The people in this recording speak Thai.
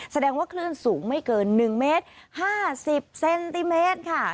แสดงว่าคลื่นสูงไม่เกิน๑เมตร๕๐เซนติเมตรค่ะ